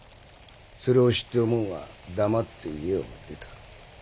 それを知っておもんは黙って家を出た。